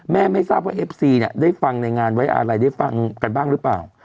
ไม่ทราบว่าเอฟซีเนี่ยได้ฟังในงานไว้อะไรได้ฟังกันบ้างหรือเปล่า